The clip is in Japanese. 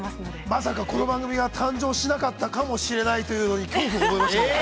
◆まさか、この番組が誕生しなかったかもしれないというのに恐怖を覚えましたね。